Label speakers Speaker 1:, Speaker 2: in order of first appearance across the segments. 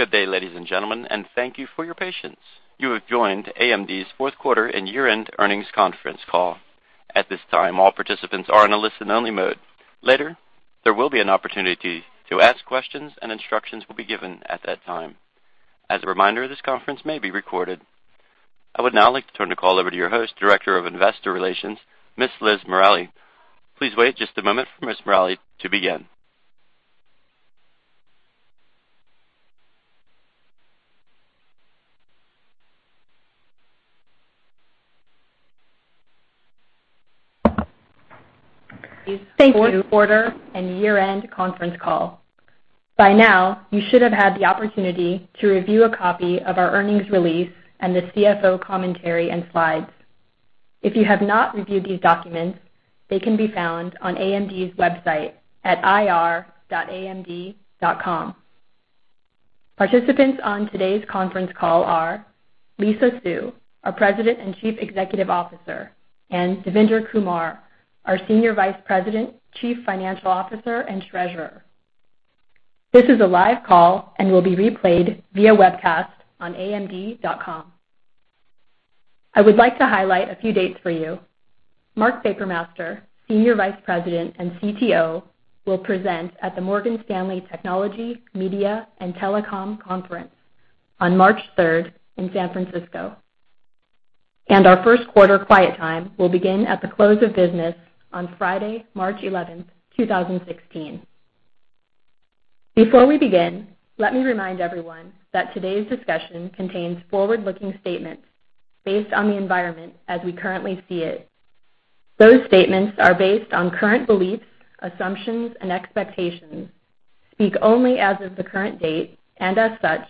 Speaker 1: Good day, ladies and gentlemen, and thank you for your patience. You have joined AMD's fourth quarter and year-end earnings conference call. At this time, all participants are in a listen-only mode. Later, there will be an opportunity to ask questions, and instructions will be given at that time. As a reminder, this conference may be recorded. I would now like to turn the call over to your host, Director of Investor Relations, Ms. Liz Morali. Please wait just a moment for Ms. Morali to begin.
Speaker 2: Thank you. Fourth quarter and year-end conference call. By now, you should have had the opportunity to review a copy of our earnings release and the CFO commentary and slides. If you have not reviewed these documents, they can be found on AMD's website at ir.amd.com. Participants on today's conference call are Lisa Su, our President and Chief Executive Officer, and Devinder Kumar, our Senior Vice President, Chief Financial Officer, and Treasurer. This is a live call and will be replayed via webcast on amd.com. I would like to highlight a few dates for you. Mark Papermaster, Senior Vice President and CTO, will present at the Morgan Stanley Technology, Media, and Telecom Conference on March 3rd in San Francisco. Our first quarter quiet time will begin at the close of business on Friday, March 11th, 2016. Before we begin, let me remind everyone that today's discussion contains forward-looking statements based on the environment as we currently see it. Those statements are based on current beliefs, assumptions, and expectations, speak only as of the current date and, as such,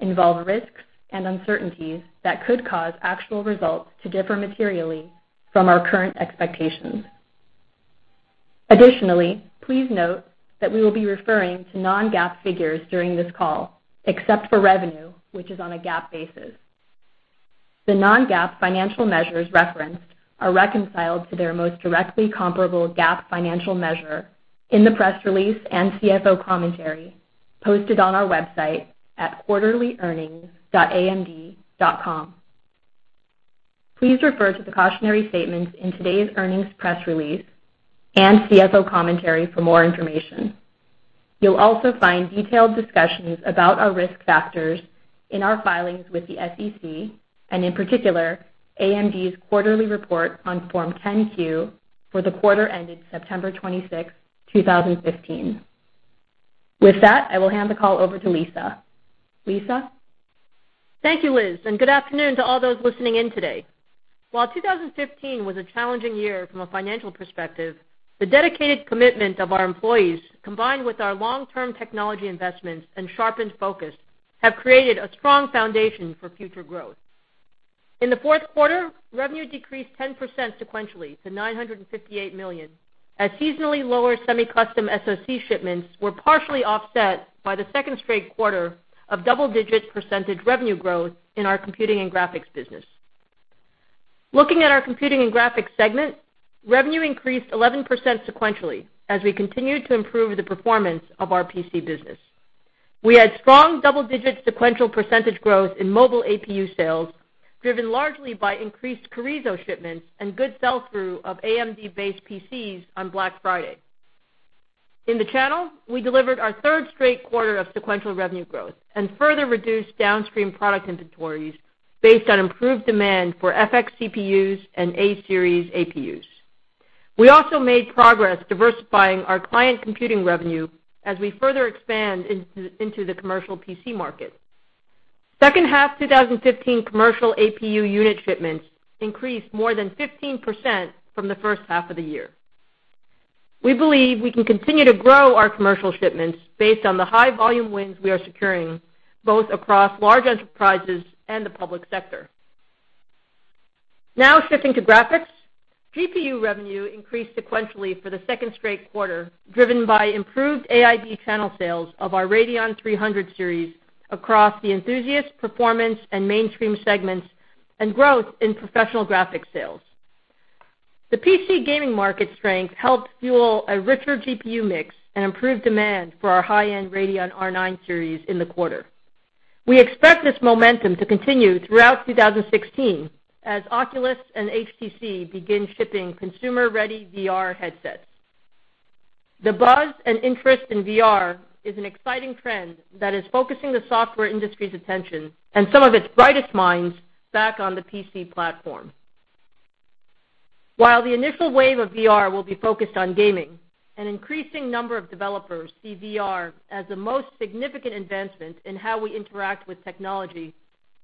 Speaker 2: involve risks and uncertainties that could cause actual results to differ materially from our current expectations. Additionally, please note that we will be referring to non-GAAP figures during this call, except for revenue, which is on a GAAP basis. The non-GAAP financial measures referenced are reconciled to their most directly comparable GAAP financial measure in the press release and CFO commentary posted on our website at quarterlyearnings.amd.com. Please refer to the cautionary statements in today's earnings press release and CFO commentary for more information. You'll also find detailed discussions about our risk factors in our filings with the SEC and, in particular, AMD's quarterly report on Form 10-Q for the quarter ended September 26th, 2015. With that, I will hand the call over to Lisa. Lisa?
Speaker 3: Thank you, Liz, and good afternoon to all those listening in today. While 2015 was a challenging year from a financial perspective, the dedicated commitment of our employees, combined with our long-term technology investments and sharpened focus, have created a strong foundation for future growth. In the fourth quarter, revenue decreased 10% sequentially to $958 million, as seasonally lower semi-custom SoC shipments were partially offset by the second straight quarter of double-digit percentage revenue growth in our computing and graphics business. Looking at our computing and graphics segment, revenue increased 11% sequentially as we continued to improve the performance of our PC business. We had strong double-digit sequential percentage growth in mobile APU sales, driven largely by increased Carrizo shipments and good sell-through of AMD-based PCs on Black Friday. In the channel, we delivered our third straight quarter of sequential revenue growth and further reduced downstream product inventories based on improved demand for FX CPUs and A-Series APUs. We also made progress diversifying our client computing revenue as we further expand into the commercial PC market. Second half 2015 commercial APU unit shipments increased more than 15% from the first half of the year. We believe we can continue to grow our commercial shipments based on the high volume wins we are securing, both across large enterprises and the public sector. Now shifting to graphics. GPU revenue increased sequentially for the second straight quarter, driven by improved AIB channel sales of our Radeon 300 Series across the enthusiast, performance, and mainstream segments, and growth in professional graphics sales. The PC gaming market strength helped fuel a richer GPU mix and improved demand for our high-end Radeon R9 Series in the quarter. We expect this momentum to continue throughout 2016 as Oculus and HTC begin shipping consumer-ready VR headsets. The buzz and interest in VR is an exciting trend that is focusing the software industry's attention and some of its brightest minds back on the PC platform. While the initial wave of VR will be focused on gaming, an increasing number of developers see VR as the most significant advancement in how we interact with technology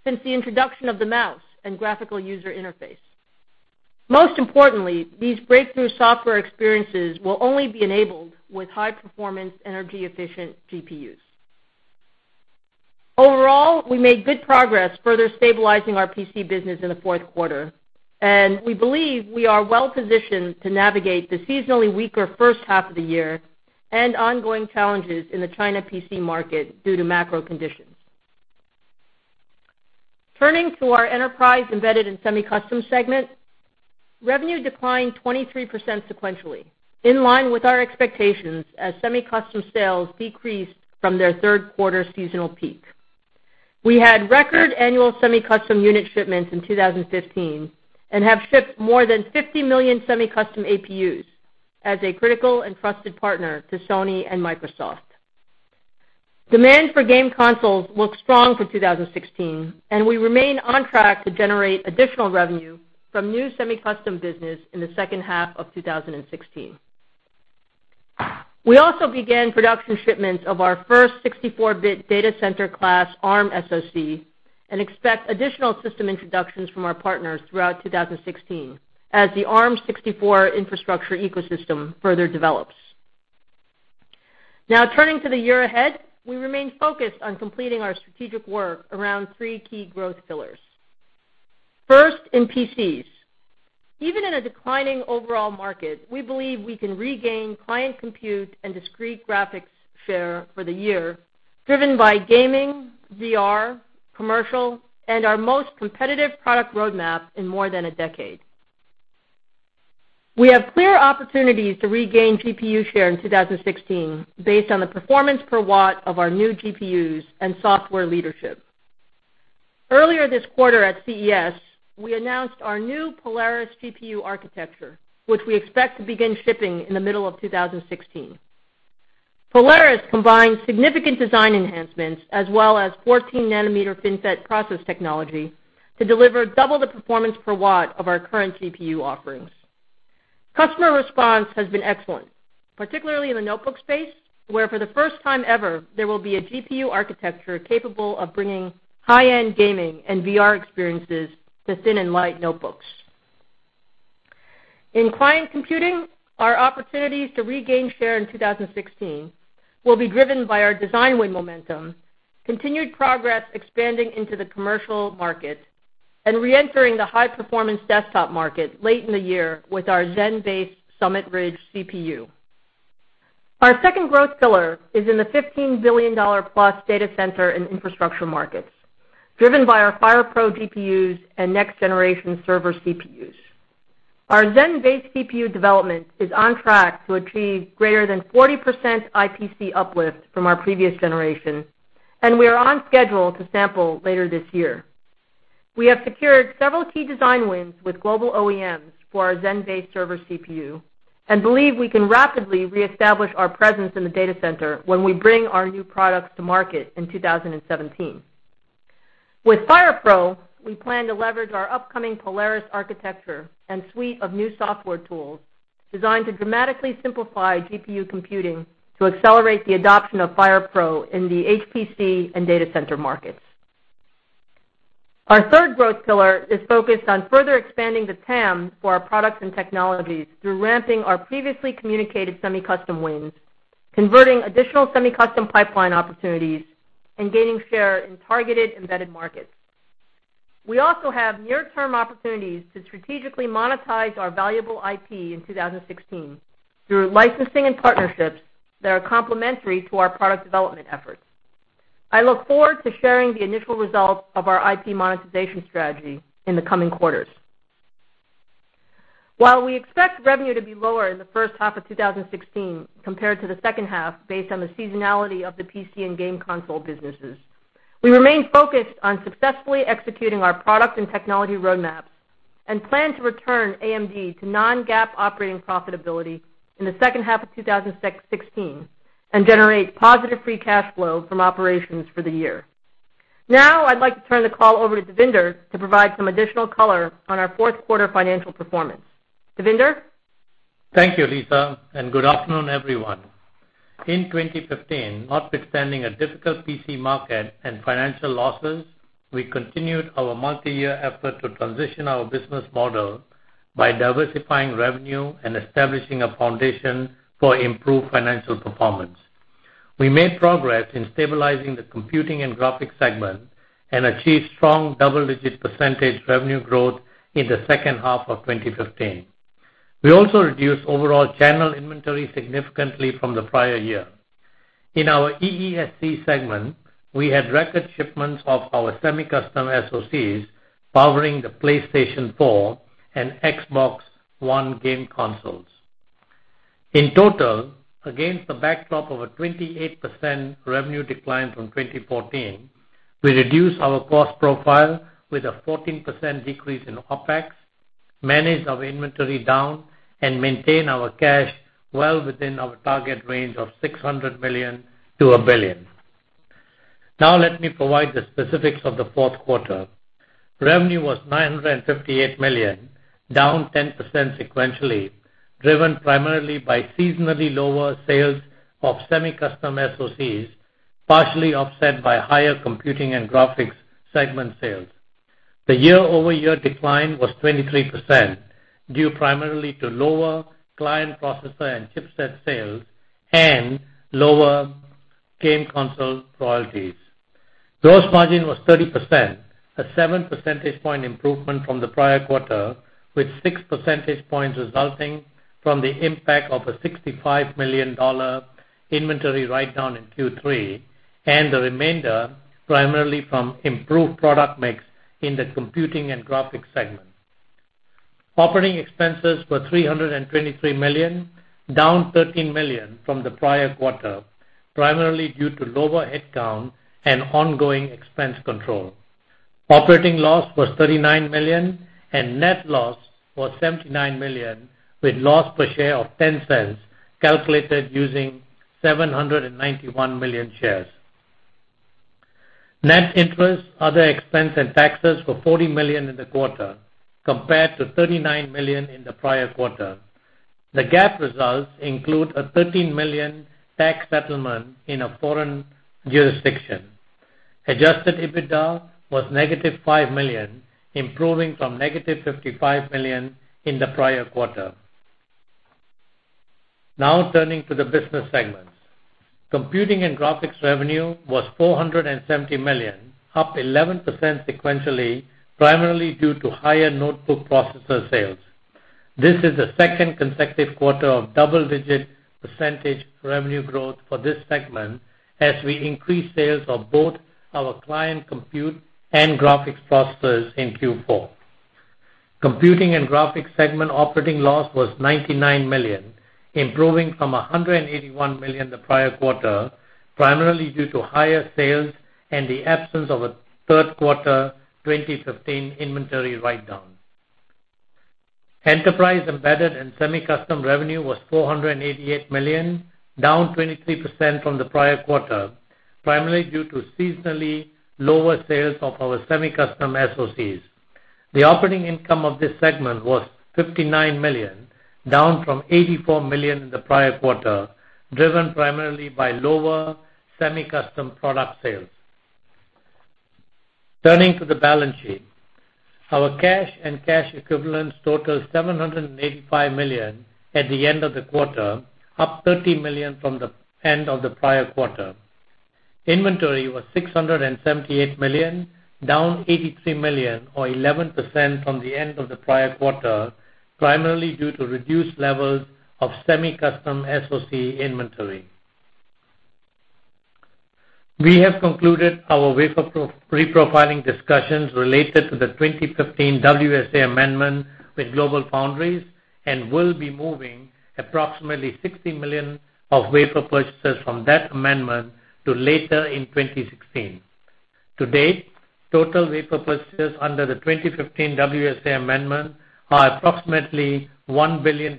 Speaker 3: since the introduction of the mouse and graphical user interface. Most importantly, these breakthrough software experiences will only be enabled with high-performance, energy-efficient GPUs. Overall, we made good progress further stabilizing our PC business in the fourth quarter, and we believe we are well positioned to navigate the seasonally weaker first half of the year and ongoing challenges in the China PC market due to macro conditions. Turning to our enterprise embedded and semi-custom segment, revenue declined 23% sequentially, in line with our expectations as semi-custom sales decreased from their third quarter seasonal peak. We had record annual semi-custom unit shipments in 2015 and have shipped more than 50 million semi-custom APUs as a critical and trusted partner to Sony and Microsoft. Demand for game consoles looks strong for 2016, and we remain on track to generate additional revenue from new semi-custom business in the second half of 2016. We also began production shipments of our first 64-bit data center class Arm SoC and expect additional system introductions from our partners throughout 2016 as the Arm 64 infrastructure ecosystem further develops. Turning to the year ahead, we remain focused on completing our strategic work around three key growth pillars. First, in PCs. Even in a declining overall market, we believe we can regain client compute and discrete graphics share for the year, driven by gaming, VR, commercial, and our most competitive product roadmap in more than a decade. We have clear opportunities to regain GPU share in 2016 based on the performance per watt of our new GPUs and software leadership. Earlier this quarter at CES, we announced our new Polaris GPU architecture, which we expect to begin shipping in the middle of 2016. Polaris combines significant design enhancements as well as 14-nanometer FinFET process technology to deliver double the performance per watt of our current GPU offerings. Customer response has been excellent, particularly in the notebook space, where for the first time ever, there will be a GPU architecture capable of bringing high-end gaming and VR experiences to thin and light notebooks. In client computing, our opportunities to regain share in 2016 will be driven by our design win momentum, continued progress expanding into the commercial market, and re-entering the high-performance desktop market late in the year with our Zen-based Summit Ridge CPU. Our second growth pillar is in the $15 billion-plus data center and infrastructure markets, driven by our FirePro GPUs and next-generation server CPUs. Our Zen-based CPU development is on track to achieve greater than 40% IPC uplift from our previous generation, and we are on schedule to sample later this year. We have secured several key design wins with global OEMs for our Zen-based server CPU and believe we can rapidly reestablish our presence in the data center when we bring our new products to market in 2017. With FirePro, we plan to leverage our upcoming Polaris architecture and suite of new software tools designed to dramatically simplify GPU computing to accelerate the adoption of FirePro in the HPC and data center markets. Our third growth pillar is focused on further expanding the TAM for our products and technologies through ramping our previously communicated semi-custom wins, converting additional semi-custom pipeline opportunities, and gaining share in targeted embedded markets. We also have near-term opportunities to strategically monetize our valuable IP in 2016 through licensing and partnerships that are complementary to our product development efforts. I look forward to sharing the initial results of our IP monetization strategy in the coming quarters. While we expect revenue to be lower in the first half of 2016 compared to the second half based on the seasonality of the PC and game console businesses, we remain focused on successfully executing our product and technology roadmaps and plan to return AMD to non-GAAP operating profitability in the second half of 2016 and generate positive free cash flow from operations for the year. I'd like to turn the call over to Devinder to provide some additional color on our fourth quarter financial performance. Devinder?
Speaker 4: Thank you, Lisa, and good afternoon, everyone. In 2015, notwithstanding a difficult PC market and financial losses, we continued our multi-year effort to transition our business model by diversifying revenue and establishing a foundation for improved financial performance. We made progress in stabilizing the Computing and Graphics segment and achieved strong double-digit % revenue growth in the second half of 2015. We also reduced overall channel inventory significantly from the prior year. In our EESC segment, we had record shipments of our semi-custom SoCs powering the PlayStation 4 and Xbox One game consoles. In total, against the backdrop of a 28% revenue decline from 2014, we reduced our cost profile with a 14% decrease in OpEx, managed our inventory down, and maintained our cash well within our target range of $600 million-$1 billion. Let me provide the specifics of the fourth quarter. Revenue was $958 million, down 10% sequentially, driven primarily by seasonally lower sales of semi-custom SoCs, partially offset by higher Computing and Graphics segment sales. The year-over-year decline was 23%, due primarily to lower client processor and chipset sales and lower game console royalties. Gross margin was 30%, a 7 percentage point improvement from the prior quarter, with 6 percentage points resulting from the impact of a $65 million inventory write-down in Q3, and the remainder primarily from improved product mix in the Computing and Graphics segment. Operating expenses were $323 million, down $13 million from the prior quarter, primarily due to lower headcount and ongoing expense control. Operating loss was $39 million and net loss was $79 million, with loss per share of $0.10, calculated using 791 million shares. Net interest, other expense and taxes were $40 million in the quarter compared to $39 million in the prior quarter. The GAAP results include a $13 million tax settlement in a foreign jurisdiction. Adjusted EBITDA was negative $5 million, improving from negative $55 million in the prior quarter. Turning to the business segments. Computing and Graphics revenue was $470 million, up 11% sequentially, primarily due to higher notebook processor sales. This is the second consecutive quarter of double-digit % revenue growth for this segment as we increase sales of both our client compute and graphics processors in Q4. Computing and Graphics segment operating loss was $99 million, improving from $181 million the prior quarter, primarily due to higher sales and the absence of a third quarter 2015 inventory write-down. Enterprise, Embedded and Semi-Custom revenue was $488 million, down 23% from the prior quarter, primarily due to seasonally lower sales of our semi-custom SoCs. The operating income of this segment was $59 million, down from $84 million in the prior quarter, driven primarily by lower semi-custom product sales. Turning to the balance sheet. Our cash and cash equivalents totals $785 million at the end of the quarter, up $30 million from the end of the prior quarter. Inventory was $678 million, down $83 million or 11% from the end of the prior quarter, primarily due to reduced levels of semi-custom SoC inventory. We have concluded our wafer reprofiling discussions related to the 2015 WSA amendment with GlobalFoundries and will be moving approximately $60 million of wafer purchases from that amendment to later in 2016. To date, total wafer purchases under the 2015 WSA amendment are approximately $1 billion,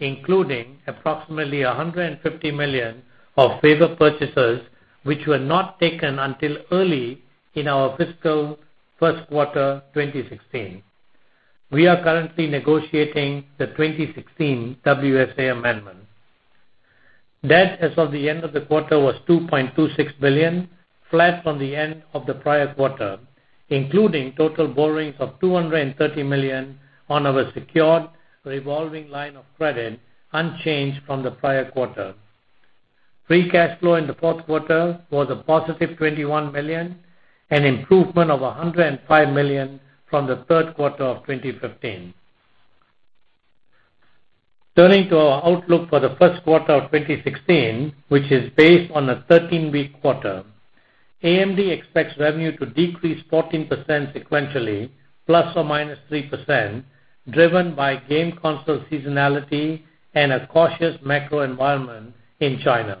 Speaker 4: including approximately $150 million of wafer purchases which were not taken until early in our fiscal first quarter 2016. We are currently negotiating the 2016 WSA amendment. Debt as of the end of the quarter was $2.26 billion, flat from the end of the prior quarter, including total borrowings of $230 million on our secured revolving line of credit, unchanged from the prior quarter. Free cash flow in the fourth quarter was a positive $21 million, an improvement of $105 million from the third quarter of 2015. Turning to our outlook for the first quarter of 2016, which is based on a 13-week quarter, AMD expects revenue to decrease 14% sequentially, ±3%, driven by game console seasonality and a cautious macro environment in China.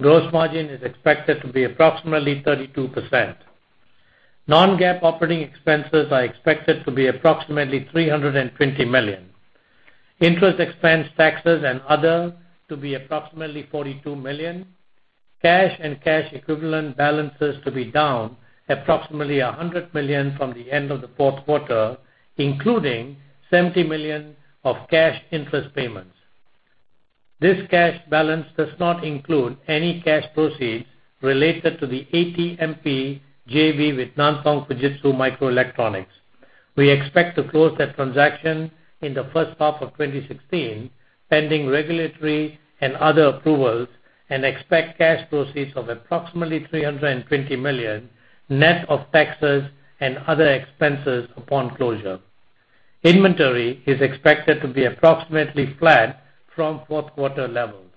Speaker 4: Gross margin is expected to be approximately 32%. Non-GAAP operating expenses are expected to be approximately $320 million. Interest expense, taxes and other to be approximately $42 million. Cash and cash equivalent balances to be down approximately $100 million from the end of the fourth quarter, including $70 million of cash interest payments. This cash balance does not include any cash proceeds related to the ATMP JV with Nantong Fujitsu Microelectronics. We expect to close that transaction in the first half of 2016, pending regulatory and other approvals, and expect cash proceeds of approximately $320 million, net of taxes and other expenses upon closure. Inventory is expected to be approximately flat from fourth quarter levels.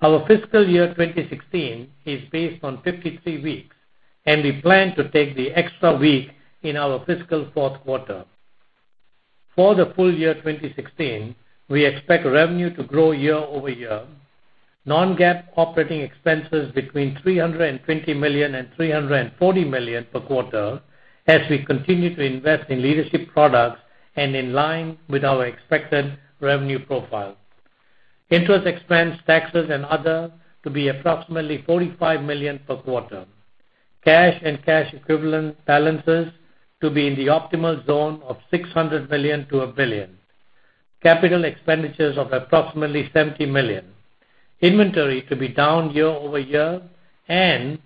Speaker 4: Our fiscal year 2016 is based on 53 weeks, and we plan to take the extra week in our fiscal fourth quarter. For the full year 2016, we expect revenue to grow year-over-year, Non-GAAP operating expenses between $320 million and $340 million per quarter as we continue to invest in leadership products and in line with our expected revenue profile. Interest expense, taxes and other to be approximately $45 million per quarter. Cash and cash equivalent balances to be in the optimal zone of $600 million to $1 billion. Capital expenditures of approximately $70 million. Inventory to be down year-over-year and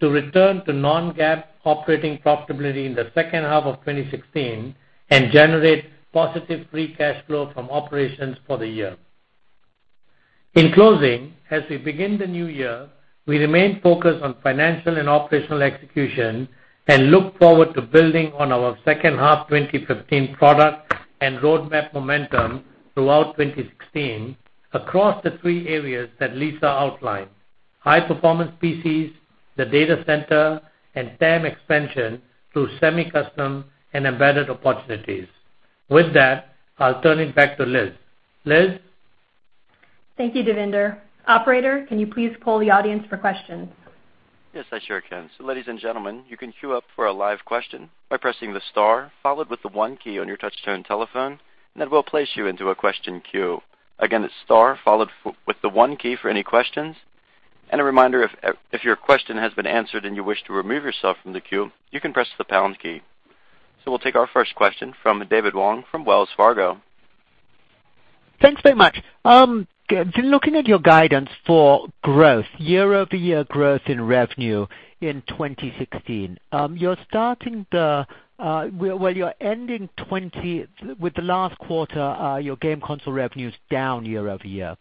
Speaker 4: to return to Non-GAAP operating profitability in the second half of 2016 and generate positive free cash flow from operations for the year. In closing, as we begin the new year, we remain focused on financial and operational execution and look forward to building on our second half 2015 product and roadmap momentum throughout 2016 across the three areas that Lisa outlined. High-performance PCs, the data center, and TAM expansion through semi-custom and embedded opportunities. With that, I'll turn it back to Liz. Liz?
Speaker 2: Thank you, Devinder. Operator, can you please poll the audience for questions?
Speaker 1: Yes, I sure can. Ladies and gentlemen, you can queue up for a live question by pressing the star followed with the one key on your touch-tone telephone, and that will place you into a question queue. Again, it's star followed with the one key for any questions. A reminder, if your question has been answered and you wish to remove yourself from the queue, you can press the pound key. We'll take our first question from David Wong from Wells Fargo.
Speaker 5: Thanks very much. Looking at your guidance for growth, year-over-year growth in revenue in 2016. You're ending with the last quarter, your game console revenue's down year-over-year.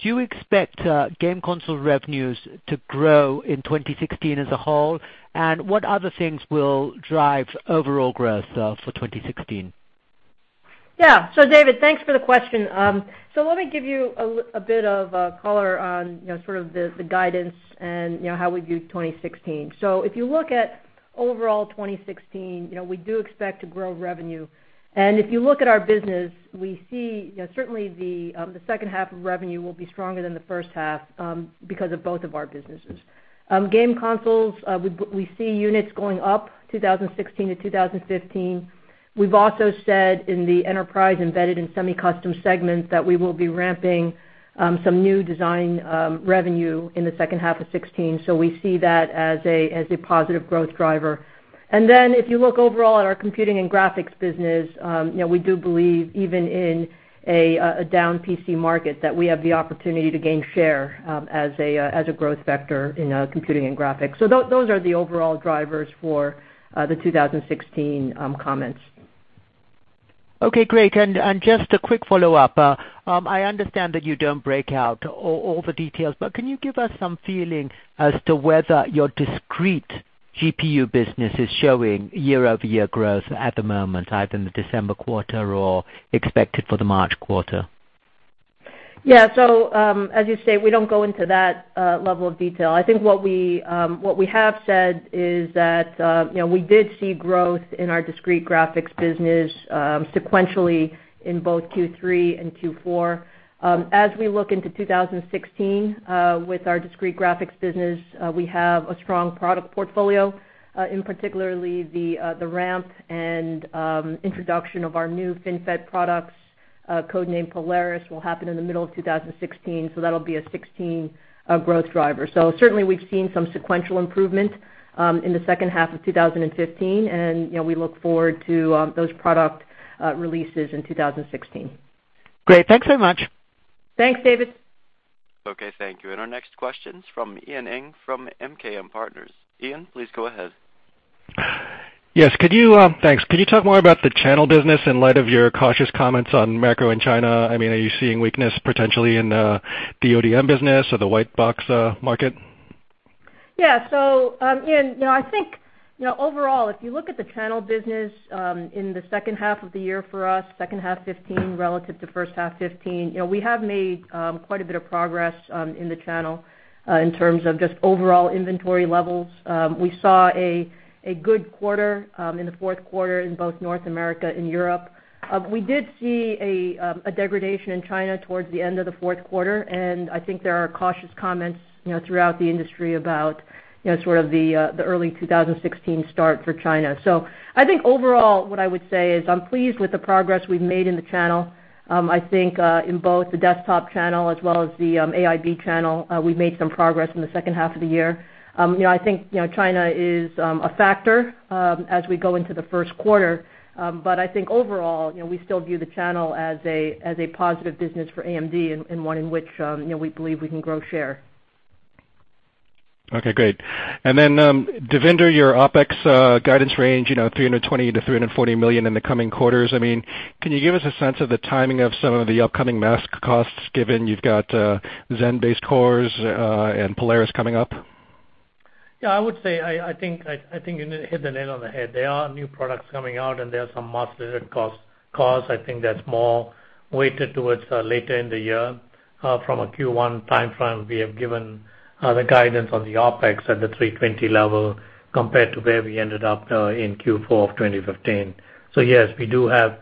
Speaker 5: Do you expect game console revenues to grow in 2016 as a whole? What other things will drive overall growth for 2016?
Speaker 3: Yeah. David, thanks for the question. Let me give you a bit of color on sort of the guidance and how we view 2016. If you look at overall 2016, we do expect to grow revenue. If you look at our business, we see, certainly the second half of revenue will be stronger than the first half, because of both of our businesses. Game consoles, we see units going up 2016 to 2015. We've also said in the enterprise embedded and semi-custom segments that we will be ramping some new design revenue in the second half of 2016. We see that as a positive growth driver. If you look overall at our computing and graphics business, we do believe, even in a down PC market, that we have the opportunity to gain share as a growth vector in our computing and graphics. Those are the overall drivers for the 2016 comments.
Speaker 5: Okay, great. Just a quick follow-up. I understand that you don't break out all the details, but can you give us some feeling as to whether your discrete GPU business is showing year-over-year growth at the moment, either in the December quarter or expected for the March quarter?
Speaker 3: Yeah. As you say, we don't go into that level of detail. I think what we have said is that we did see growth in our discrete graphics business sequentially in both Q3 and Q4. As we look into 2016, with our discrete graphics business, we have a strong product portfolio, in particularly the ramp and introduction of our new FinFET products, code-named Polaris, will happen in the middle of 2016. That'll be a 2016 growth driver. Certainly we've seen some sequential improvement in the second half of 2015, and we look forward to those product releases in 2016.
Speaker 5: Great. Thanks so much.
Speaker 3: Thanks, David.
Speaker 1: Okay. Thank you. Our next question is from Ian Ing from MKM Partners. Ian, please go ahead.
Speaker 6: Yes. Thanks. Can you talk more about the channel business in light of your cautious comments on macro in China? Are you seeing weakness potentially in the ODM business or the white box market?
Speaker 3: Yeah. Ian, I think overall, if you look at the channel business in the second half of the year for us, second half 2015 relative to first half 2015, we have made quite a bit of progress in the channel in terms of just overall inventory levels. We saw a good quarter in the fourth quarter in both North America and Europe. We did see a degradation in China towards the end of the fourth quarter, and I think there are cautious comments throughout the industry about sort of the early 2016 start for China. I think overall what I would say is I'm pleased with the progress we've made in the channel. I think, in both the desktop channel as well as the AIB channel, we made some progress in the second half of the year. I think China is a factor as we go into the first quarter. I think overall, we still view the channel as a positive business for AMD and one in which we believe we can grow share.
Speaker 6: Okay, great. Devinder, your OpEx guidance range, $320 million-$340 million in the coming quarters. Can you give us a sense of the timing of some of the upcoming mask costs given you've got Zen-based cores and Polaris coming up?
Speaker 4: Yeah, I would say, I think you hit the nail on the head. There are new products coming out, and there's some mask-related costs. I think that's more weighted towards later in the year. From a Q1 timeframe, we have given the guidance on the OpEx at the 320 level compared to where we ended up in Q4 of 2015. Yes, we do have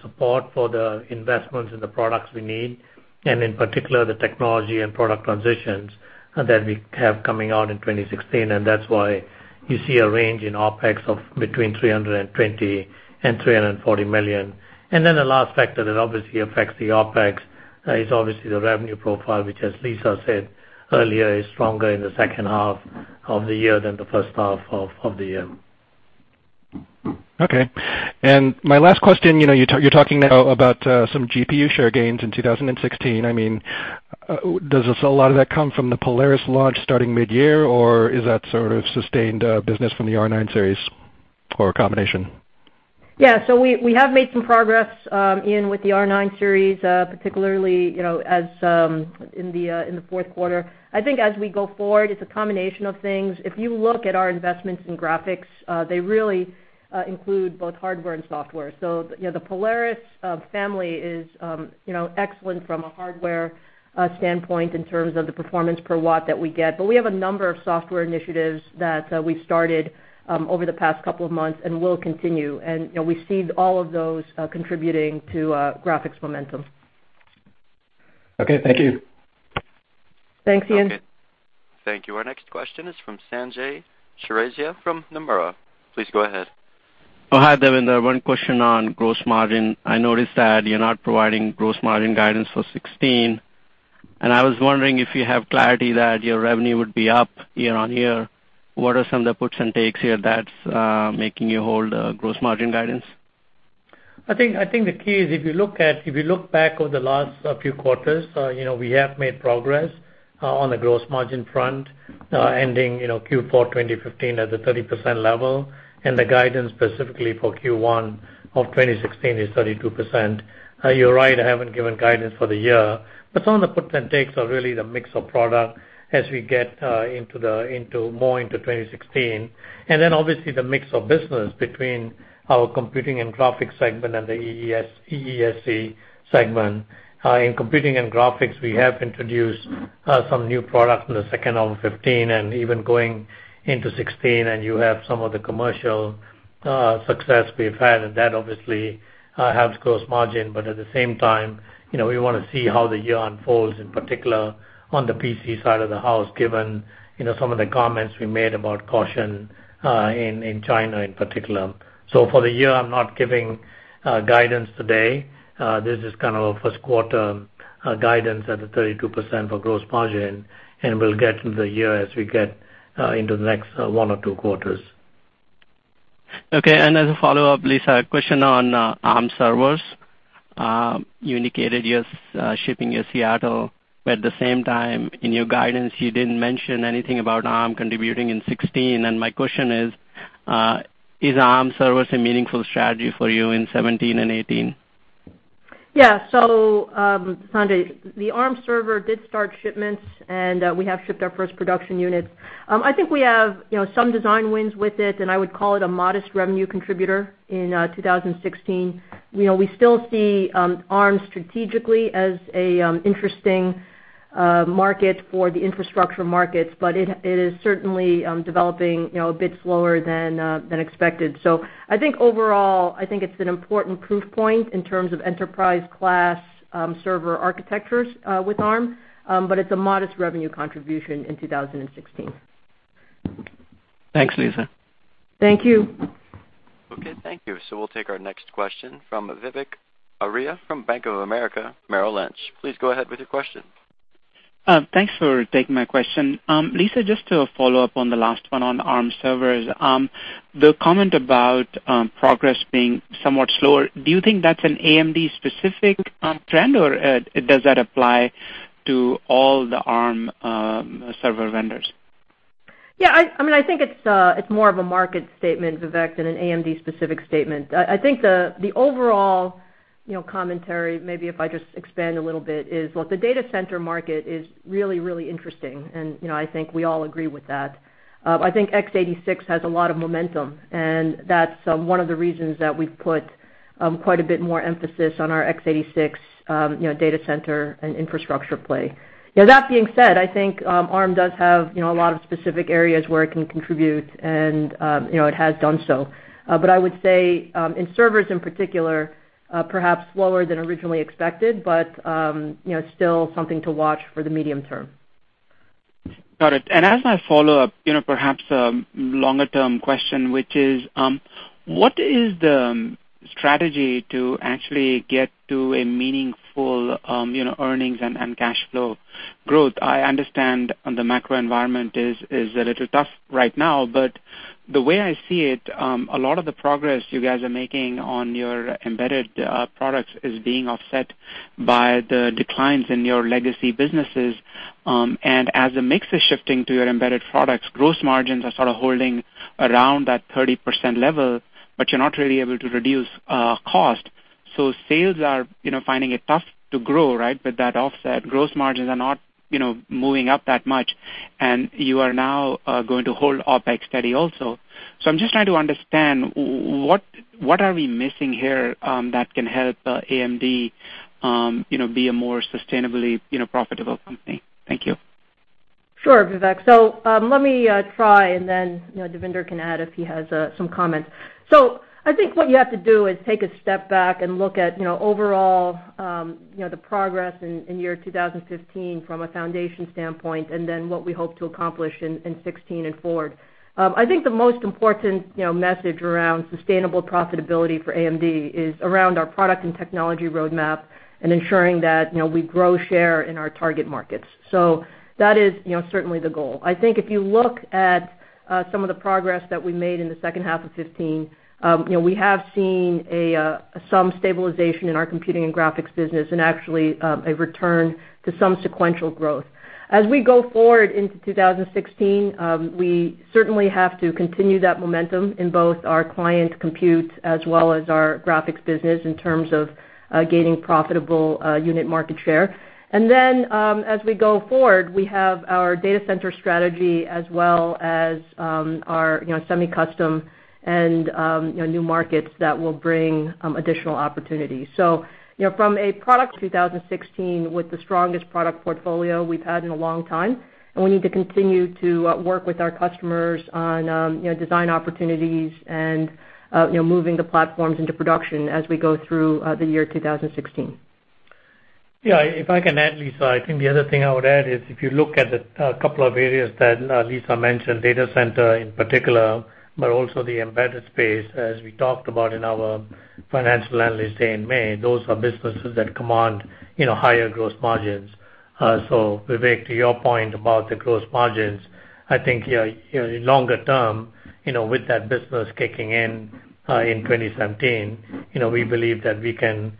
Speaker 4: support for the investments in the products we need, and in particular, the technology and product transitions that we have coming out in 2016, and that's why you see a range in OpEx of between $320 million and $340 million. The last factor that obviously affects the OpEx is obviously the revenue profile, which, as Lisa said earlier, is stronger in the second half of the year than the first half of the year.
Speaker 6: Okay. My last question, you're talking now about some GPU share gains in 2016. Does a lot of that come from the Polaris launch starting mid-year, or is that sort of sustained business from the R9 series, or a combination?
Speaker 3: Yeah. We have made some progress, Ian, with the R9 series, particularly in the fourth quarter. I think as we go forward, it's a combination of things. If you look at our investments in graphics, they really include both hardware and software. The Polaris family is excellent from a hardware standpoint in terms of the performance per watt that we get, but we have a number of software initiatives that we've started over the past couple of months and will continue. We see all of those contributing to graphics momentum.
Speaker 6: Okay, thank you.
Speaker 3: Thanks, Ian.
Speaker 1: Okay. Thank you. Our next question is from Sanjay Chaurasia from Nomura. Please go ahead.
Speaker 7: Hi, Devinder. One question on gross margin. I noticed that you're not providing gross margin guidance for 2016. I was wondering if you have clarity that your revenue would be up year-over-year. What are some of the puts and takes here that's making you hold gross margin guidance?
Speaker 4: I think the key is if you look back over the last few quarters, we have made progress on the gross margin front, ending Q4 2015 at the 30% level, and the guidance specifically for Q1 of 2016 is 32%. You're right, I haven't given guidance for the year. Some of the puts and takes are really the mix of product as we get more into 2016, and then obviously the mix of business between our Computing and Graphics segment and the EESC segment. In Computing and Graphics, we have introduced some new products in the second half of 2015 and even going into 2016, and you have some of the commercial success we've had, and that obviously helps gross margin. At the same time, we want to see how the year unfolds, in particular on the PC side of the house, given some of the comments we made about caution in China in particular. For the year, I'm not giving guidance today. This is kind of a first quarter guidance at the 32% for gross margin, and we'll get to the year as we get into the next one or two quarters.
Speaker 7: Okay, as a follow-up, Lisa, a question on Arm servers. You indicated you're shipping your Seattle, but at the same time in your guidance, you didn't mention anything about Arm contributing in 2016. My question is Arm servers a meaningful strategy for you in 2017 and 2018?
Speaker 3: Yeah. Sanjay, the Arm server did start shipments, and we have shipped our first production unit. I think we have some design wins with it, and I would call it a modest revenue contributor in 2016. We still see Arm strategically as an interesting market for the infrastructure markets, but it is certainly developing a bit slower than expected. I think overall, I think it's an important proof point in terms of enterprise class server architectures with Arm, but it's a modest revenue contribution in 2016.
Speaker 7: Thanks, Lisa.
Speaker 3: Thank you.
Speaker 1: Okay. Thank you. We'll take our next question from Vivek Arya from Bank of America Merrill Lynch. Please go ahead with your question.
Speaker 8: Thanks for taking my question. Lisa, just to follow up on the last one on Arm servers. The comment about progress being somewhat slower, do you think that's an AMD specific trend or does that apply to all the Arm server vendors?
Speaker 3: Yeah, I think it's more of a market statement, Vivek, than an AMD specific statement. I think the overall commentary, maybe if I just expand a little bit, is, look, the data center market is really, really interesting, and I think we all agree with that. I think x86 has a lot of momentum, and that's one of the reasons that we've put quite a bit more emphasis on our x86 data center and infrastructure play. That being said, I think ARM does have a lot of specific areas where it can contribute, and it has done so. I would say, in servers in particular, perhaps slower than originally expected, but still something to watch for the medium term.
Speaker 8: Got it. As my follow-up, perhaps a longer-term question, which is, what is the strategy to actually get to a meaningful earnings and cash flow growth? I understand the macro environment is a little tough right now, but the way I see it, a lot of the progress you guys are making on your embedded products is being offset by the declines in your legacy businesses. As the mix is shifting to your embedded products, gross margins are sort of holding around that 30% level, but you're not really able to reduce cost. Sales are finding it tough to grow, right? With that offset. Gross margins are not moving up that much, and you are now going to hold OpEx steady also. I'm just trying to understand what are we missing here that can help AMD be a more sustainably profitable company? Thank you.
Speaker 3: Sure, Vivek. Let me try, and then Devinder can add if he has some comments. I think what you have to do is take a step back and look at overall the progress in year 2015 from a foundation standpoint, and then what we hope to accomplish in 2016 and forward. I think the most important message around sustainable profitability for AMD is around our product and technology roadmap and ensuring that we grow share in our target markets. That is certainly the goal. I think if you look at some of the progress that we made in the second half of 2015, we have seen some stabilization in our computing and graphics business and actually a return to some sequential growth. As we go forward into 2016, we certainly have to continue that momentum in both our client compute as well as our graphics business in terms of gaining profitable unit market share. Then, as we go forward, we have our data center strategy as well as our semi-custom and new markets that will bring additional opportunities. From a product 2016 with the strongest product portfolio we've had in a long time, and we need to continue to work with our customers on design opportunities and moving the platforms into production as we go through the year 2016.
Speaker 4: If I can add, Lisa, I think the other thing I would add is if you look at a couple of areas that Lisa mentioned, data center in particular, but also the embedded space, as we talked about in our financial analyst day in May, those are businesses that command higher gross margins. Vivek, to your point about the gross margins, I think longer term, with that business kicking in 2017, we believe that we can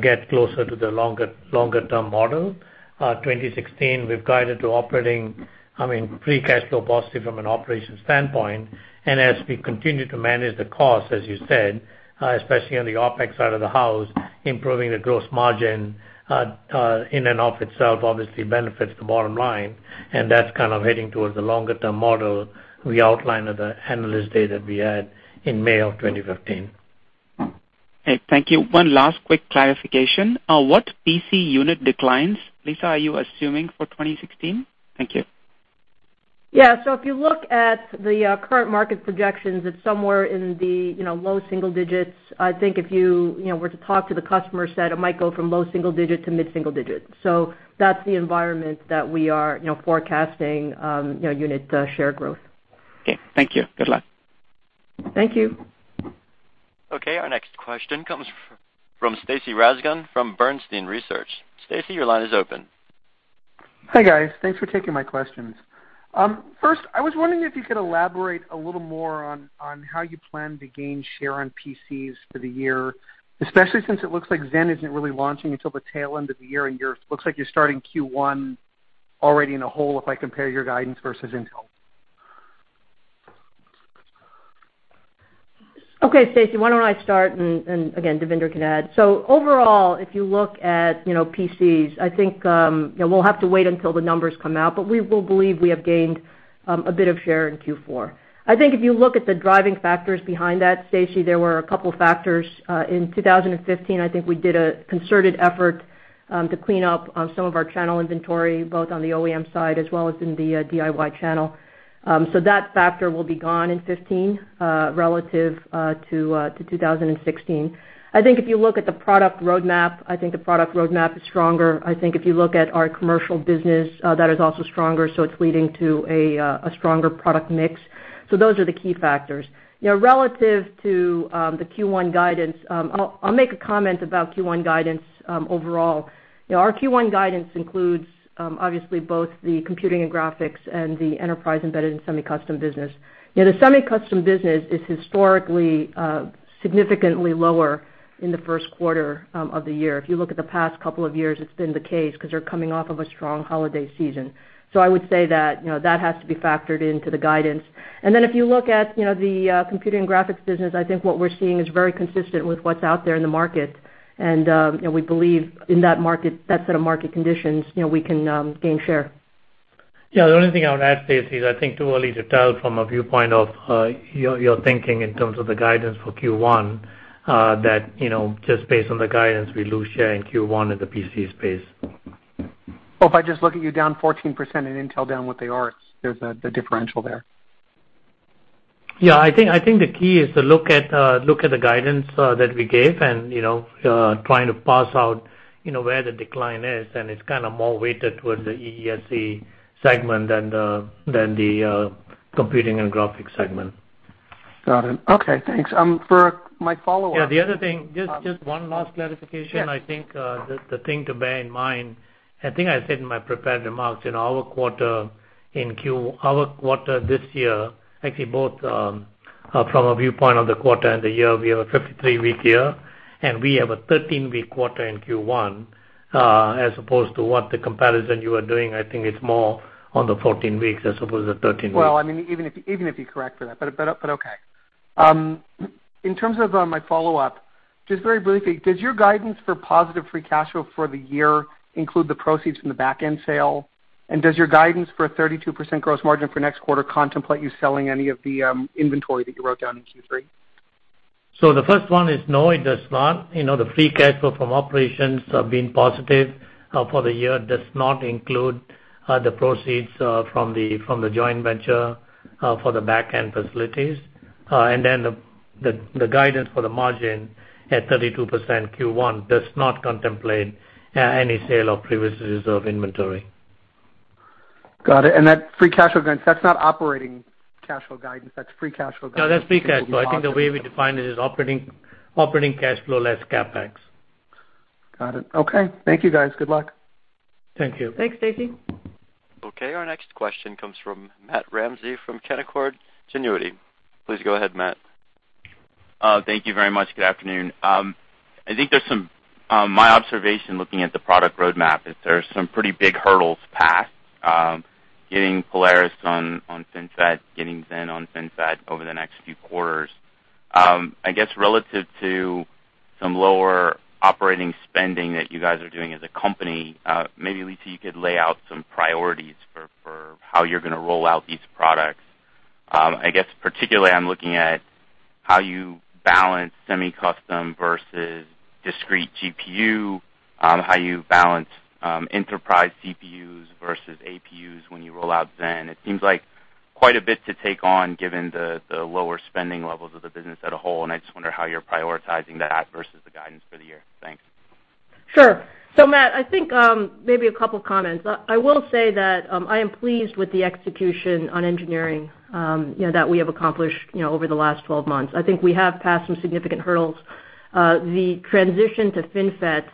Speaker 4: get closer to the longer term model. 2016, we've guided to operating, I mean, free cash flow positive from an operations standpoint. As we continue to manage the cost, as you said, especially on the OpEx side of the house, improving the gross margin in and of itself obviously benefits the bottom line, and that's kind of heading towards the longer-term model we outlined at the analyst day that we had in May of 2015.
Speaker 8: Thank you. One last quick clarification. What PC unit declines, Lisa, are you assuming for 2016? Thank you.
Speaker 3: If you look at the current market projections, it's somewhere in the low single digits. I think if you were to talk to the customer set, it might go from low single digit to mid-single digit. That's the environment that we are forecasting unit share growth.
Speaker 8: Okay, thank you. Good luck.
Speaker 3: Thank you.
Speaker 1: Okay, our next question comes from Stacy Rasgon from Bernstein Research. Stacy, your line is open.
Speaker 9: Hi, guys. Thanks for taking my questions. First, I was wondering if you could elaborate a little more on how you plan to gain share on PCs for the year, especially since it looks like Zen isn't really launching until the tail end of the year, and looks like you're starting Q1 already in a hole, if I compare your guidance versus Intel.
Speaker 3: Okay. Stacy, why don't I start, and again, Devinder can add. Overall, if you look at PCs, I think we'll have to wait until the numbers come out, but we believe we have gained a bit of share in Q4. I think if you look at the driving factors behind that, Stacy, there were a couple factors. In 2015, I think we did a concerted effort to clean up some of our channel inventory, both on the OEM side as well as in the DIY channel. That factor will be gone in 2015 relative to 2016. I think if you look at the product roadmap, I think the product roadmap is stronger. I think if you look at our commercial business, that is also stronger, so it's leading to a stronger product mix. Those are the key factors. Relative to the Q1 guidance, I'll make a comment about Q1 guidance overall. Our Q1 guidance includes, obviously, both the computing and graphics and the enterprise embedded and semi-custom business. The semi-custom business is historically significantly lower in the first quarter of the year. If you look at the past couple of years, it's been the case because you're coming off of a strong holiday season. I would say that has to be factored into the guidance. If you look at the computing and graphics business, I think what we're seeing is very consistent with what's out there in the market. We believe in that set of market conditions, we can gain share.
Speaker 4: Yeah, the only thing I would add, Stacy, is I think too early to tell from a viewpoint of your thinking in terms of the guidance for Q1, that just based on the guidance, we lose share in Q1 in the PC space.
Speaker 9: Well, if I just look at you down 14% and Intel down what they are, there's a differential there.
Speaker 4: I think the key is to look at the guidance that we gave and trying to parse out where the decline is, and it's more weighted towards the EESC Segment than the Computing and Graphics Segment.
Speaker 9: Got it. Thanks. For my follow-up.
Speaker 4: The other thing, just one last clarification.
Speaker 9: Yes.
Speaker 4: I think the thing to bear in mind, I think I said in my prepared remarks, our quarter this year, actually both from a viewpoint of the quarter and the year, we have a 53-week year, and we have a 13-week quarter in Q1, as opposed to what the comparison you are doing, I think it's more on the 14 weeks as opposed to 13 weeks.
Speaker 9: Well, I mean, even if you correct for that, but okay. In terms of my follow-up, just very briefly, does your guidance for positive free cash flow for the year include the proceeds from the back-end sale? Does your guidance for a 32% gross margin for next quarter contemplate you selling any of the inventory that you wrote down in Q3?
Speaker 4: The first one is no, it does not. The free cash flow from operations being positive for the year does not include the proceeds from the joint venture for the back-end facilities. The guidance for the margin at 32% Q1 does not contemplate any sale of previously reserved inventory.
Speaker 9: Got it. That free cash flow guidance, that's not operating cash flow guidance, that's free cash flow guidance.
Speaker 4: No, that's free cash flow. I think the way we define it is operating cash flow less CapEx.
Speaker 9: Got it. Okay. Thank you, guys. Good luck.
Speaker 4: Thank you.
Speaker 3: Thanks, Stacy.
Speaker 1: Okay, our next question comes from Matt Ramsay from Canaccord Genuity. Please go ahead, Matt.
Speaker 10: Thank you very much. Good afternoon. I think my observation looking at the product roadmap is there's some pretty big hurdles passed, getting Polaris on FinFET, getting Zen on FinFET over the next few quarters. I guess relative to some lower operating spending that you guys are doing as a company, maybe Lisa, you could lay out some priorities for how you're gonna roll out these products. I guess particularly I'm looking at how you balance semi-custom versus discrete GPU, how you balance enterprise CPUs versus APUs when you roll out Zen. It seems like quite a bit to take on given the lower spending levels of the business as a whole. I just wonder how you're prioritizing that versus the guidance for the year. Thanks.
Speaker 3: Sure. Matt, I think maybe a couple comments. I will say that I am pleased with the execution on engineering that we have accomplished over the last 12 months. I think we have passed some significant hurdles. The transition to FinFET,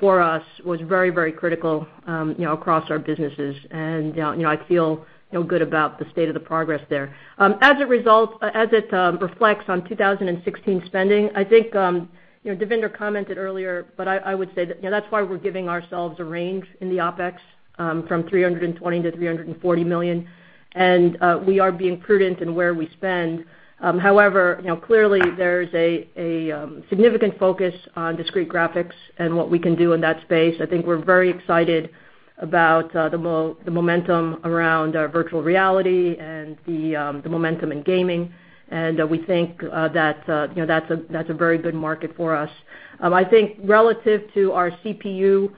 Speaker 3: for us, was very, very critical across our businesses. I feel good about the state of the progress there. As it reflects on 2016 spending, I think Devinder commented earlier, but I would say that that's why we're giving ourselves a range in the OpEx from $320 million-$340 million, and we are being prudent in where we spend. However, clearly there's a significant focus on discrete graphics and what we can do in that space. I think we're very excited about the momentum around our virtual reality and the momentum in gaming, and we think that's a very good market for us. I think relative to our CPU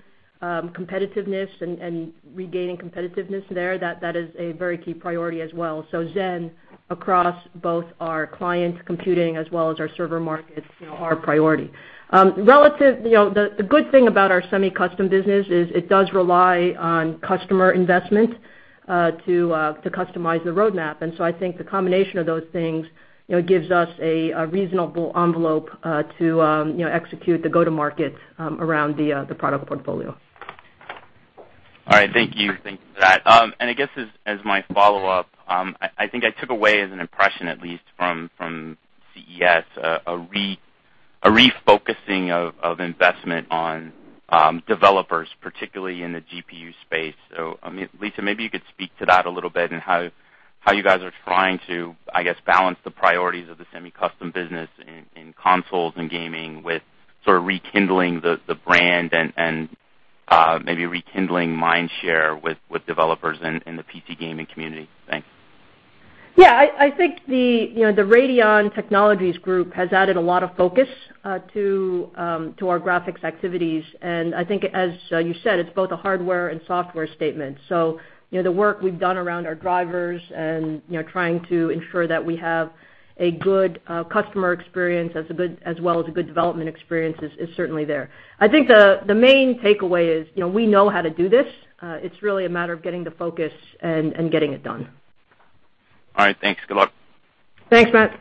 Speaker 3: competitiveness and regaining competitiveness there, that is a very key priority as well. Zen, across both our clients computing as well as our server markets, are a priority. The good thing about our semi-custom business is it does rely on customer investment to customize the roadmap. I think the combination of those things, it gives us a reasonable envelope to execute the go-to-markets around the product portfolio.
Speaker 10: All right. Thank you. Thank you for that. I guess as my follow-up, I think I took away as an impression, at least from CES, a refocusing of investment on developers, particularly in the GPU space. Lisa, maybe you could speak to that a little bit and how you guys are trying to, I guess, balance the priorities of the semi-custom business in consoles and gaming with sort of rekindling the brand and maybe rekindling mind share with developers in the PC gaming community. Thanks.
Speaker 3: Yeah. I think the Radeon Technologies Group has added a lot of focus to our graphics activities, and I think as you said, it's both a hardware and software statement. The work we've done around our drivers and trying to ensure that we have a good customer experience as well as a good development experience is certainly there. I think the main takeaway is, we know how to do this. It's really a matter of getting the focus and getting it done.
Speaker 10: All right. Thanks. Good luck.
Speaker 3: Thanks, Matt.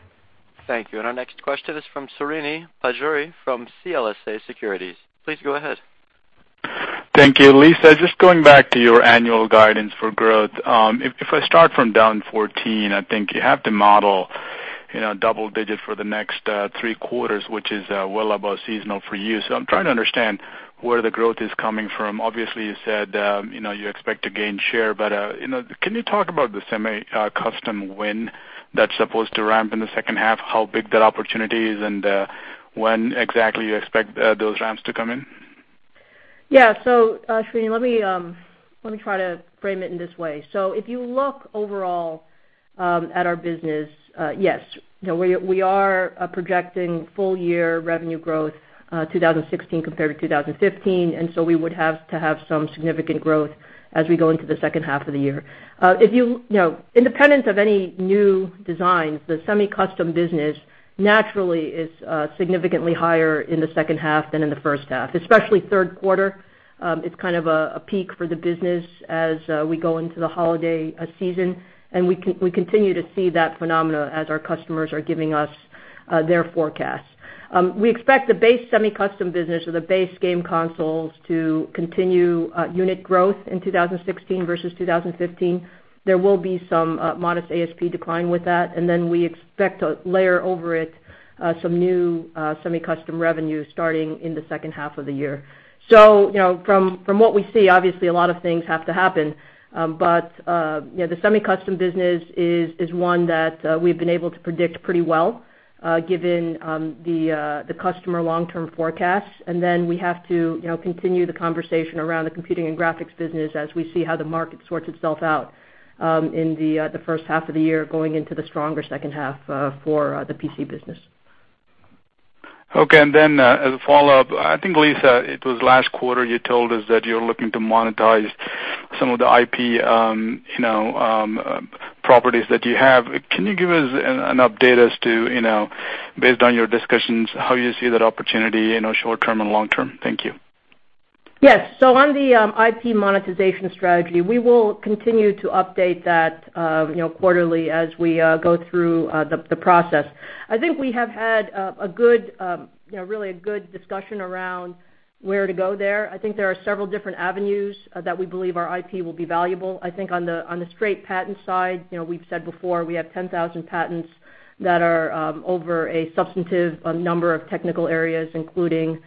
Speaker 1: Thank you. Our next question is from Srini Pajjuri from CLSA Securities. Please go ahead.
Speaker 11: Thank you. Lisa, just going back to your annual guidance for growth. If I start from down 14, I think you have to model double-digit for the next three quarters, which is well above seasonal for you. I'm trying to understand where the growth is coming from. Obviously, you said you expect to gain share, can you talk about the semi-custom win that's supposed to ramp in the second half, how big that opportunity is, and when exactly you expect those ramps to come in?
Speaker 3: Srini, let me try to frame it in this way. If you look overall at our business, yes, we are projecting full year revenue growth 2016 compared to 2015, we would have to have some significant growth as we go into the second half of the year. Independent of any new designs, the semi-custom business naturally is significantly higher in the second half than in the first half, especially third quarter. It's kind of a peak for the business as we go into the holiday season, we continue to see that phenomena as our customers are giving us their forecasts. We expect the base semi-custom business or the base game consoles to continue unit growth in 2016 versus 2015. There will be some modest ASP decline with that, we expect to layer over it some new semi-custom revenue starting in the second half of the year. From what we see, obviously a lot of things have to happen, the semi-custom business is one that we've been able to predict pretty well, given the customer long-term forecasts. We have to continue the conversation around the computing and graphics business as we see how the market sorts itself out in the first half of the year, going into the stronger second half for the PC business.
Speaker 11: Okay. As a follow-up, I think, Lisa, it was last quarter you told us that you're looking to monetize some of the IP properties that you have. Can you give us an update as to, based on your discussions, how you see that opportunity in short-term and long-term? Thank you.
Speaker 3: Yes. On the IP monetization strategy, we will continue to update that quarterly as we go through the process. We have had really a good discussion around where to go there. There are several different avenues that we believe our IP will be valuable. On the straight patent side, we've said before, we have 10,000 patents that are over a substantive number of technical areas, including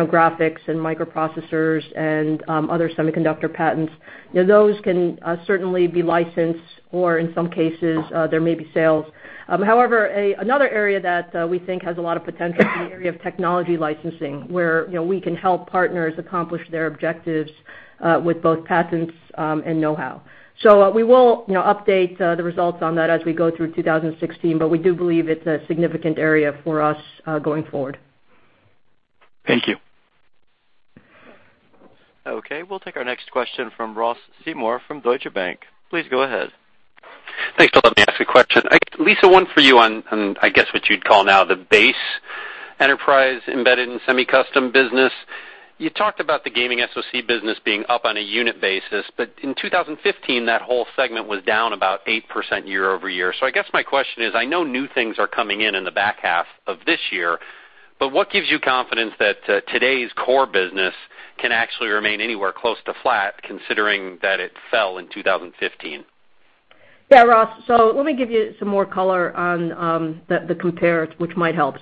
Speaker 3: graphics and microprocessors and other semiconductor patents. Those can certainly be licensed, or in some cases, there may be sales. However, another area that we think has a lot of potential is the area of technology licensing, where we can help partners accomplish their objectives with both patents and knowhow. We will update the results on that as we go through 2016, but we do believe it's a significant area for us going forward.
Speaker 11: Thank you.
Speaker 1: Okay. We'll take our next question from Ross Seymore from Deutsche Bank. Please go ahead.
Speaker 12: Thanks for letting me ask a question. Lisa, one for you on, I guess what you'd call now the base enterprise, embedded and semi-custom business. You talked about the gaming SoC business being up on a unit basis, but in 2015, that whole segment was down about 8% year-over-year. I guess my question is, I know new things are coming in in the back half of this year, but what gives you confidence that today's core business can actually remain anywhere close to flat considering that it fell in 2015?
Speaker 3: Yeah, Ross, let me give you some more color on the compare which might help.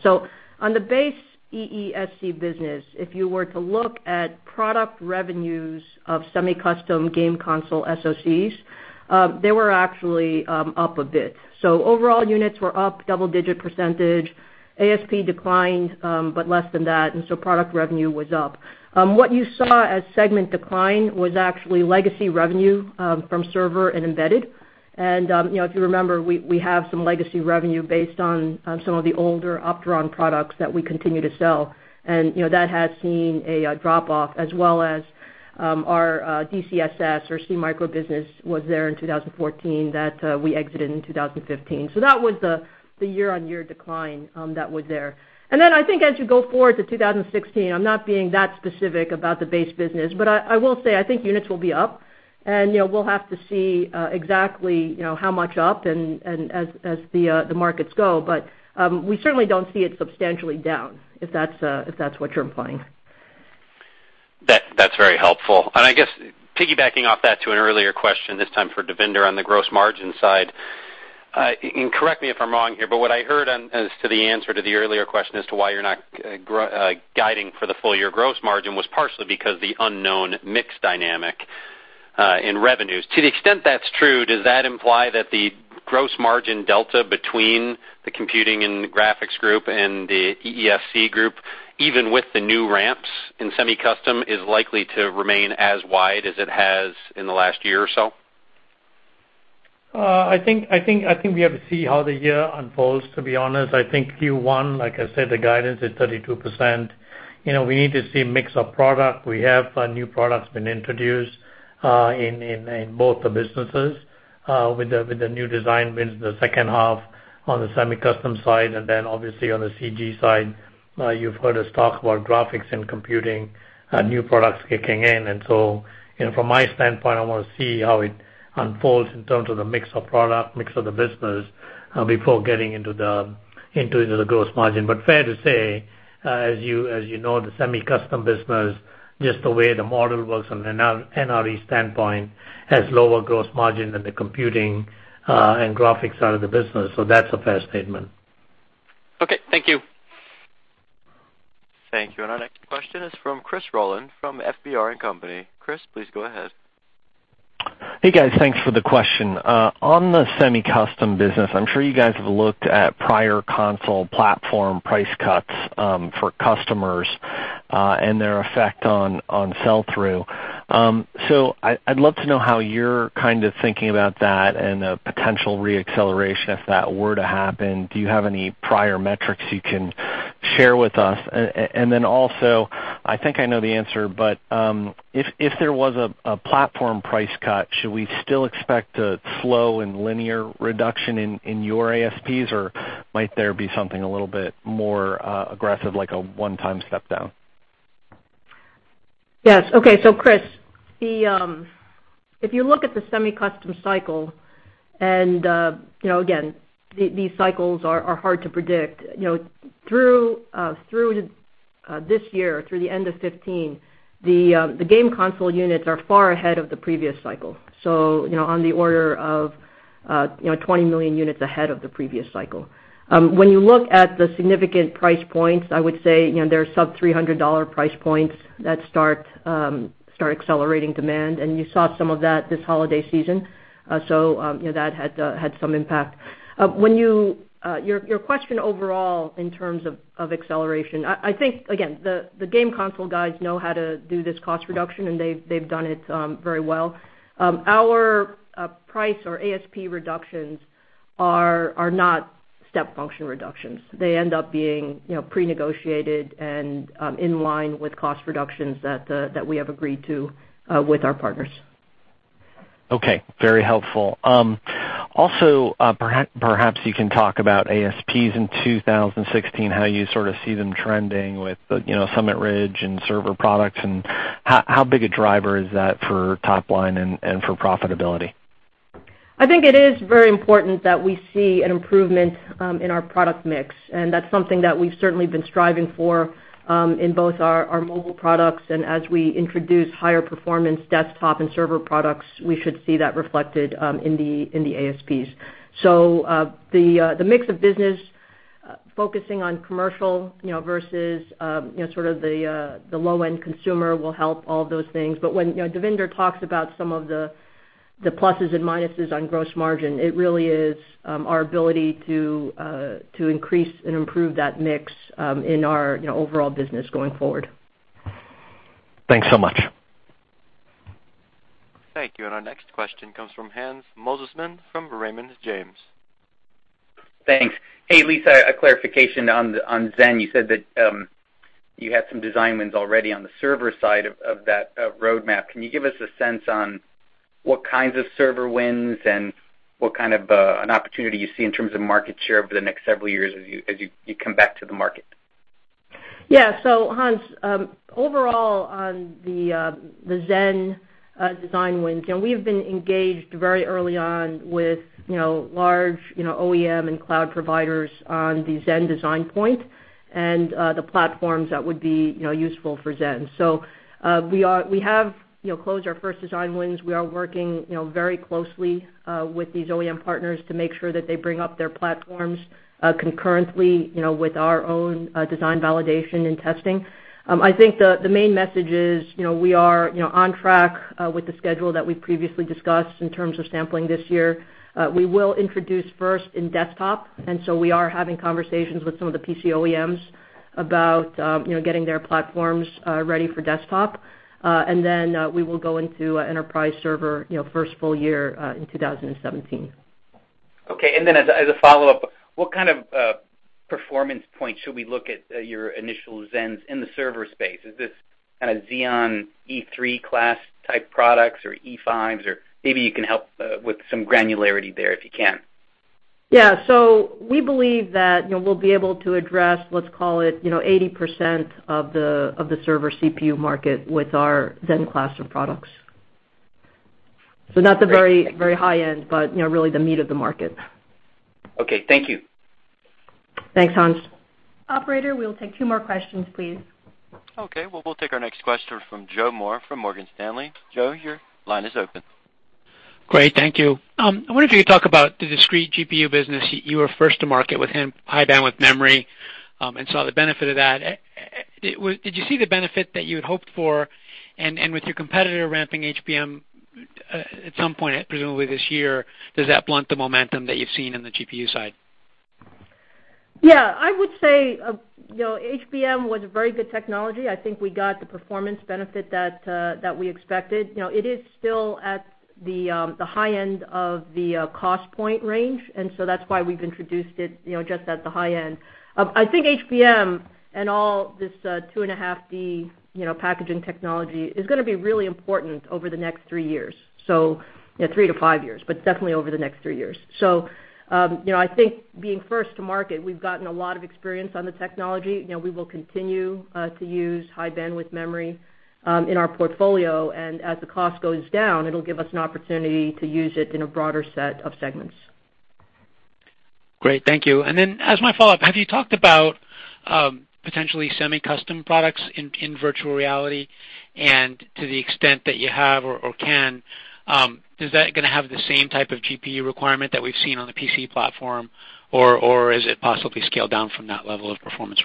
Speaker 3: On the base EESC business, if you were to look at product revenues of semi-custom game console SoCs, they were actually up a bit. Overall units were up double-digit %. ASP declined, but less than that, product revenue was up. What you saw as segment decline was actually legacy revenue from server and embedded. If you remember, we have some legacy revenue based on some of the older Opteron products that we continue to sell. That has seen a drop-off as well as our DCSS or SeaMicro business was there in 2014 that we exited in 2015. That was the year-on-year decline that was there. I think as you go forward to 2016, I'm not being that specific about the base business. I will say, I think units will be up, and we'll have to see exactly how much up and as the markets go. We certainly don't see it substantially down, if that's what you're implying.
Speaker 12: That's very helpful. I guess piggybacking off that to an earlier question, this time for Devinder on the gross margin side. Correct me if I'm wrong here, but what I heard as to the answer to the earlier question as to why you're not guiding for the full-year gross margin was partially because the unknown mix dynamic in revenues. To the extent that's true, does that imply that the gross margin delta between the computing and graphics group and the EESC group, even with the new ramps in semi-custom, is likely to remain as wide as it has in the last year or so?
Speaker 4: I think we have to see how the year unfolds, to be honest. I think Q1, like I said, the guidance is 32%. We need to see a mix of product. We have new products been introduced in both the businesses, with the new design wins in the second half on the semi-custom side, then obviously on the CG side, you've heard us talk about graphics and computing, new products kicking in. From my standpoint, I want to see how it unfolds in terms of the mix of product, mix of the business, before getting into the gross margin. Fair to say, as you know, the semi-custom business, just the way the model works from an NRE standpoint, has lower gross margin than the computing and graphics side of the business. That's a fair statement.
Speaker 12: Okay, thank you.
Speaker 1: Thank you. Our next question is from Christopher Rolland from FBR & Co. Chris, please go ahead.
Speaker 13: Hey, guys. Thanks for the question. On the semi-custom business, I'm sure you guys have looked at prior console platform price cuts for customers, and their effect on sell-through. I'd love to know how you're kind of thinking about that and a potential re-acceleration if that were to happen. Do you have any prior metrics you can share with us? Then also, I think I know the answer, but, if there was a platform price cut, should we still expect a slow and linear reduction in your ASPs, or might there be something a little bit more aggressive, like a one-time step down?
Speaker 3: Yes. Okay. Chris, if you look at the semi-custom cycle, and again, these cycles are hard to predict. Through this year, through the end of 2015, the game console units are far ahead of the previous cycle. On the order of 20 million units ahead of the previous cycle. When you look at the significant price points, I would say, there are sub-$300 price points that start accelerating demand, and you saw some of that this holiday season. That had some impact. Your question overall in terms of acceleration, I think again, the game console guys know how to do this cost reduction, and they've done it very well. Our price or ASP reductions are not step function reductions. They end up being pre-negotiated and in line with cost reductions that we have agreed to with our partners.
Speaker 13: Okay. Very helpful. Also, perhaps you can talk about ASPs in 2016, how you sort of see them trending with Summit Ridge and server products, and how big a driver is that for top line and for profitability?
Speaker 3: I think it is very important that we see an improvement in our product mix, and that's something that we've certainly been striving for in both our mobile products and as we introduce higher performance desktop and server products, we should see that reflected in the ASPs. The mix of business, focusing on commercial versus sort of the low-end consumer will help all of those things. When Devinder talks about some of the pluses and minuses on gross margin, it really is our ability to increase and improve that mix in our overall business going forward.
Speaker 13: Thanks so much.
Speaker 1: Thank you. Our next question comes from Hans Mosesmann from Raymond James.
Speaker 14: Thanks. Lisa, a clarification on Zen. You said that you had some design wins already on the server side of that roadmap. Can you give us a sense on what kinds of server wins and what kind of an opportunity you see in terms of market share over the next several years as you come back to the market?
Speaker 3: Yeah. Hans Mosesmann, overall on the Zen design wins, we have been engaged very early on with large OEM and cloud providers on the Zen design point and the platforms that would be useful for Zen. We have closed our first design wins. We are working very closely with these OEM partners to make sure that they bring up their platforms concurrently with our own design validation and testing. I think the main message is, we are on track with the schedule that we previously discussed in terms of sampling this year. We will introduce first in desktop, we are having conversations with some of the PC OEMs about getting their platforms ready for desktop. We will go into enterprise server first full year in 2017.
Speaker 14: Okay, as a follow-up, what kind of performance point should we look at your initial Zens in the server space? Is this kind of Xeon E3 class type products or Xeon E5s? Maybe you can help with some granularity there if you can.
Speaker 3: Yeah. We believe that we'll be able to address, let's call it, 80% of the server CPU market with our Zen class of products. Not the very high end, but really the meat of the market.
Speaker 14: Okay, thank you.
Speaker 3: Thanks, Hans.
Speaker 2: Operator, we'll take two more questions, please.
Speaker 1: Okay. Well, we'll take our next question from Joe Moore from Morgan Stanley. Joe, your line is open.
Speaker 15: Great, thank you. I wonder if you could talk about the discrete GPU business. You were first to market with high bandwidth memory, and saw the benefit of that. Did you see the benefit that you had hoped for? With your competitor ramping HBM at some point, presumably this year, does that blunt the momentum that you've seen on the GPU side?
Speaker 3: I would say, HBM was a very good technology. I think we got the performance benefit that we expected. It is still at the high end of the cost point range, that's why we've introduced it, just at the high end. I think HBM and all this two and a half D packaging technology is going to be really important over the next three years. Three to five years, but definitely over the next three years. I think being first to market, we've gotten a lot of experience on the technology. We will continue to use high bandwidth memory in our portfolio, and as the cost goes down, it'll give us an opportunity to use it in a broader set of segments.
Speaker 15: Great, thank you. As my follow-up, have you talked about potentially semi-custom products in virtual reality? To the extent that you have or can, is that going to have the same type of GPU requirement that we've seen on the PC platform, or is it possibly scaled down from that level of performance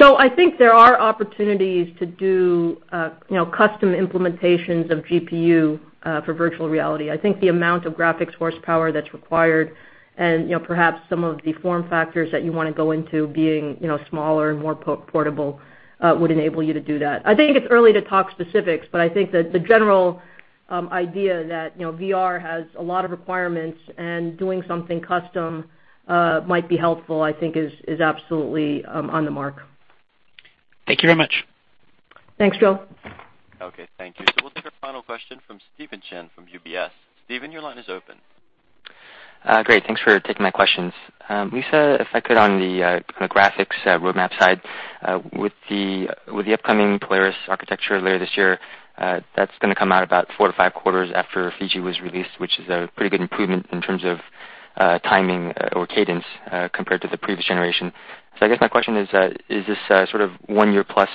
Speaker 15: requirement?
Speaker 3: I think there are opportunities to do custom implementations of GPU for virtual reality. I think the amount of graphics horsepower that's required and perhaps some of the form factors that you want to go into being smaller and more portable, would enable you to do that. I think it's early to talk specifics, but I think that the general idea that VR has a lot of requirements and doing something custom might be helpful, I think is absolutely on the mark.
Speaker 15: Thank you very much.
Speaker 3: Thanks, Joe.
Speaker 1: Okay, thank you. We'll take our final question from Steven Chin from UBS. Steven, your line is open.
Speaker 16: Great. Thanks for taking my questions. Lisa, if I could on the graphics roadmap side, with the upcoming Polaris architecture later this year, that's going to come out about four to five quarters after Fiji was released, which is a pretty good improvement in terms of timing or cadence compared to the previous generation. I guess my question is this sort of one-year plus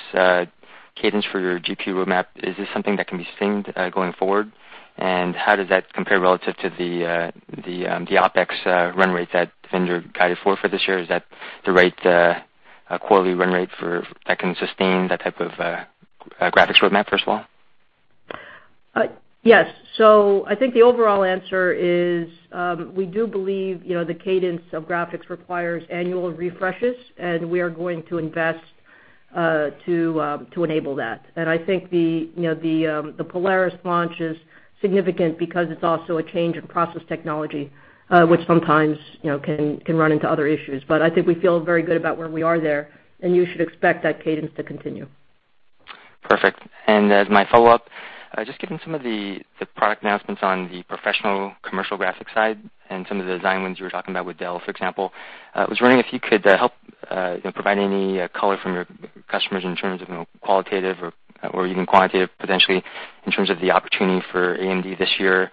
Speaker 16: cadence for your GPU roadmap? Is this something that can be sustained going forward? How does that compare relative to the OpEx run rate that Devinder guided for this year? Is that the right quarterly run rate that can sustain that type of graphics roadmap, first of all?
Speaker 3: Yes. I think the overall answer is, we do believe the cadence of graphics requires annual refreshes, we are going to invest to enable that. I think the Polaris launch is significant because it's also a change in process technology, which sometimes can run into other issues. I think we feel very good about where we are there, and you should expect that cadence to continue.
Speaker 16: Perfect. As my follow-up, just given some of the product announcements on the professional commercial graphics side and some of the design wins you were talking about with Dell, for example. I was wondering if you could help provide any color from your customers in terms of qualitative or even quantitative potentially in terms of the opportunity for AMD this year,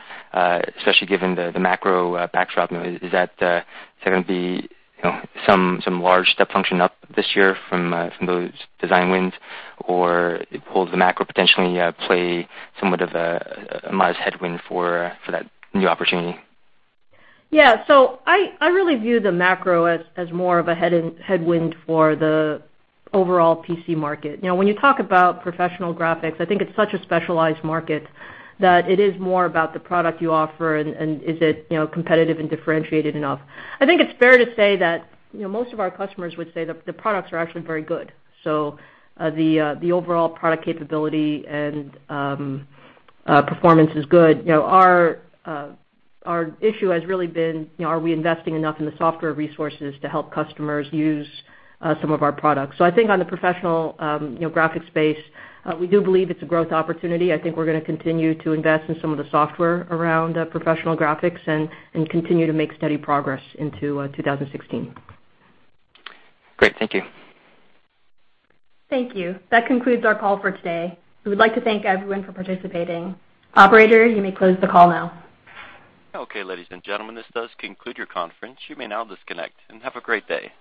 Speaker 16: especially given the macro backdrop. Is that going to be some large step function up this year from those design wins? Or will the macro potentially play somewhat of a modest headwind for that new opportunity?
Speaker 3: Yeah. I really view the macro as more of a headwind for the overall PC market. When you talk about professional graphics, I think it's such a specialized market that it is more about the product you offer and is it competitive and differentiated enough. I think it's fair to say that most of our customers would say that the products are actually very good. The overall product capability and performance is good. Our issue has really been, are we investing enough in the software resources to help customers use some of our products? I think on the professional graphics space, we do believe it's a growth opportunity. I think we're going to continue to invest in some of the software around professional graphics and continue to make steady progress into 2016.
Speaker 16: Great. Thank you.
Speaker 2: Thank you. That concludes our call for today. We would like to thank everyone for participating. Operator, you may close the call now.
Speaker 1: Okay, ladies and gentlemen, this does conclude your conference. You may now disconnect and have a great day.